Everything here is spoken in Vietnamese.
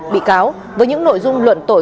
bị cáo với những nội dung luận tội